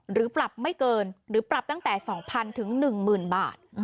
หรือปรับไม่เกินหรือปรับตั้งแต่สองพันถึงหนึ่งหมื่นบาทอืม